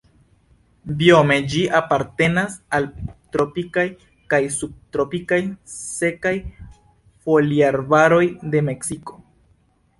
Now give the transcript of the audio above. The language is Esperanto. Biome ĝi apartenas al tropikaj kaj subtropikaj sekaj foliarbaroj de Meksiko.